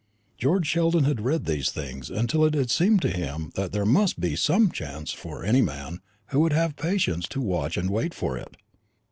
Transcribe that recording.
George Sheldon had read of these things until it had seemed to him that there must be some such chance for any man who would have patience to watch and wait for it.